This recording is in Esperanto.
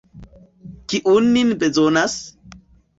Kiu nin bezonas?